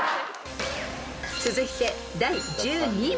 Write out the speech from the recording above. ［続いて第１２問］